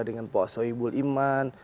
dengan pak sawibul iman